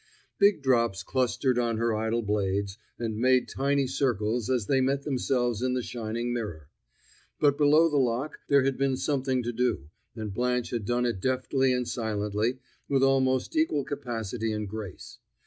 Big drops clustered on her idle blades, and made tiny circles as they met themselves in the shining mirror. But below the lock there had been something to do, and Blanche had done it deftly and silently, with almost equal capacity and grace.